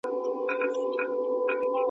د انسان شرف د هغه په نېکو اخلاقو کي دی.